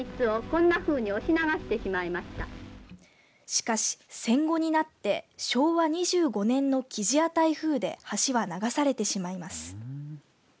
しかし戦後になって昭和２５年のキジア台風で橋は流されてしまいます。